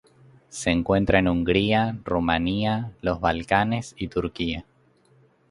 Se encuentra en Hungría, Rumanía, los Balcanes y Turquía.